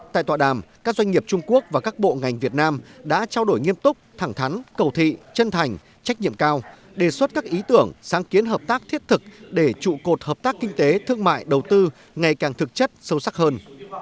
tại tọa đàm các doanh nghiệp trung quốc và các bộ ngành việt nam đã trao đổi nghiêm túc thẳng thắn cầu thị chân thành trách nhiệm cao đề xuất các ý tưởng sáng kiến hợp tác thiết thực để trụ cột hợp tác kinh tế thương mại đầu tư ngày càng thực chất sâu sắc hơn